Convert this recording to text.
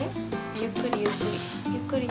ゆっくりゆっくり。